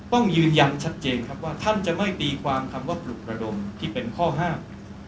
ต้องยืนยันชัดเจนครับว่าท่านจะไม่ตีความคำว่าปลุกระดมที่เป็นข้อห้าม